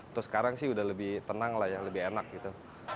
terus sekarang sih udah lebih tenang lah ya lebih enak gitu